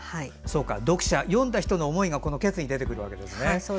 読者、読んだ人の思いが「結」に出てくるわけですね。